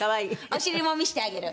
お尻も見せてあげる。